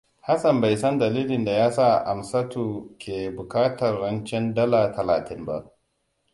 Hassan bai san dalilin da yasa Amsaamtu ke bukatar rancen dala talatin ba.